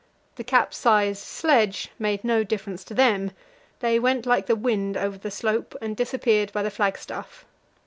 The capsized sledge made no difference to them; they went like the wind over the slope, and disappeared by the flagstaff.